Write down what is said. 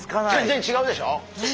全然違うでしょ！